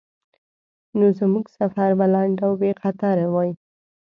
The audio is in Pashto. نو زموږ سفر به لنډ او بیخطره وای.